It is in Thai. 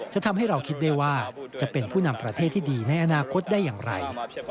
ทำให้เราคิดได้ว่าจะเป็นผู้นำประเทศที่ดีในอนาคตได้อย่างไร